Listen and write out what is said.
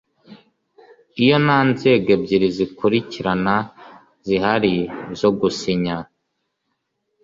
Iyo nta nzego ebyiri zikurikirana zihari zo gusinya